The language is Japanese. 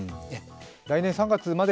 来年３月まで？